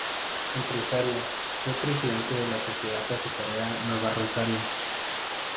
Empresario, fue Presidente de la sociedad azucarera Nueva Rosario.